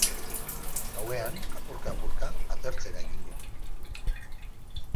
Gauean, apurka-apurka, atertzera egingo du.